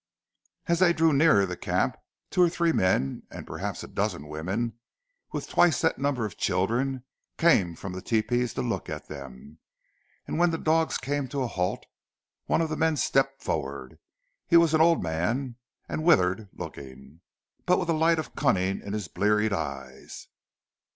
As they drew nearer the camp, two or three men, and perhaps a dozen women, with twice that number of children came from the tepees to look at them, and when the dogs came to a halt, one of the men stepped forward. He was an old man, and withered looking, but with a light of cunning in his bleared eyes.